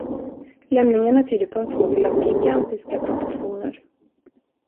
Lämningarna tyder på en fågel av gigantiska proportioner.